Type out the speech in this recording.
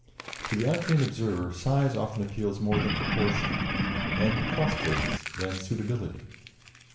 To the untrained observer size often appeals more than proportion and costliness than suitability.